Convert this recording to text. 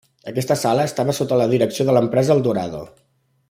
Aquesta sala estava sota la direcció de l'empresa Eldorado.